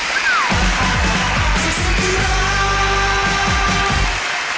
ศึกสุดที่รัก